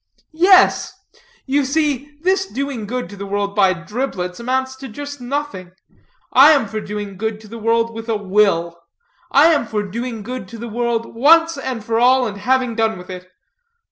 "Yes. You see, this doing good to the world by driblets amounts to just nothing. I am for doing good to the world with a will. I am for doing good to the world once for all and having done with it.